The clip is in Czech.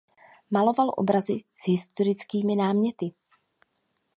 Maloval obrazy s historickými náměty.